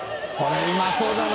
海うまそうだな！